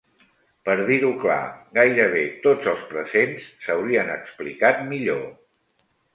Per dir-ho clar, gairebé tots els presents s'haurien explicat millor.